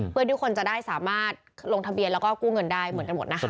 เพื่อที่คนจะได้สามารถลงทะเบียนแล้วก็กู้เงินได้เหมือนกันหมดนะคะ